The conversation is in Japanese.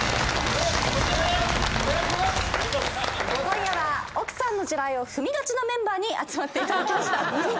今夜は奥さんの地雷を踏みがちなメンバーに集まっていただきました。